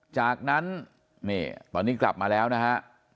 จากนั้นนี่ตอนนี้กลับมาแล้วนะฮะ